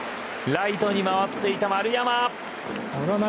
ライトに回っていた丸山。